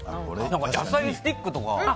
野菜スティックとか。